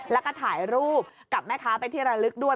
แล้วก็ถ่ายรูปกับแม่ค้าเป็นที่ระลึกด้วย